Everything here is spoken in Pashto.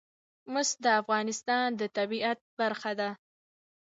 مس د افغانستان د طبیعت برخه ده.